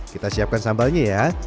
kita siapkan sambalnya ya